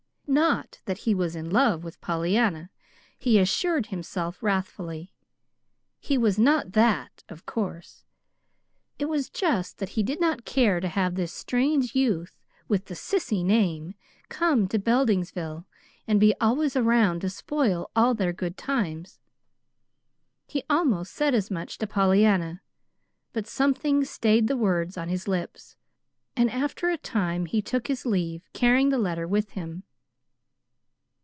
Not that he was in love with Pollyanna, he assured himself wrathfully. He was not that, of course. It was just that he did not care to have this strange youth with the sissy name come to Beldingsville and be always around to spoil all their good times. He almost said as much to Pollyanna, but something stayed the words on his lips; and after a time he took his leave, carrying the letter with him.